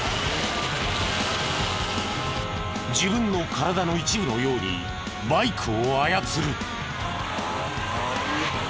自分の体の一部のようにバイクを操る。